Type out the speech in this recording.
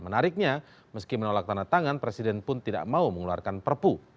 menariknya meski menolak tanda tangan presiden pun tidak mau mengeluarkan perpu